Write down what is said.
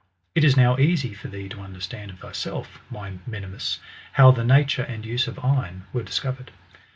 It is now easy for thee to understand of thyself, my Mem ^ mius, how the nature and tise of iron were discovered.